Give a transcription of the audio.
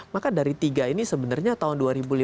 maka dari tiga ini sebenarnya tahun dua ribu lima belas